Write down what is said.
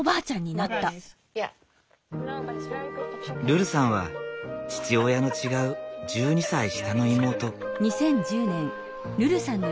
ルルさんは父親の違う１２歳下の妹。